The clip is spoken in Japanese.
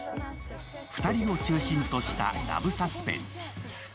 ２人を中心としたラブサスペンス。